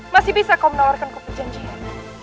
masih bisa kau menawarkan ku perjanjian